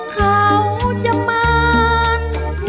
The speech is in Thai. เขาจะมานที่น้ำเงิน